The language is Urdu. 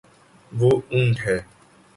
وہ اونٹ ہے